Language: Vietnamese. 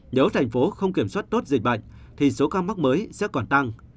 nếu tp hcm không kiểm soát tốt dịch bệnh thì số ca mắc mới sẽ còn tăng